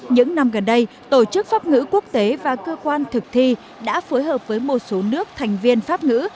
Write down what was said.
những năm gần đây tổ chức pháp ngữ quốc tế và cơ quan thực thi đã phối hợp với một số nước thành viên pháp ngữ